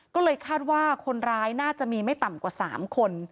ก็เลยคาดว่าคนร้ายน่าจะมีไม่ต่ำกว่า๓คน